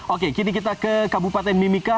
oke kini kita ke kabupaten mimika